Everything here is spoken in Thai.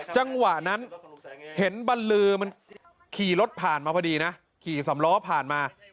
จังหวะนั้นเห็นบรรลือมันขี่รถผ่านมาพอดีนะขี่สำล้อผ่านมา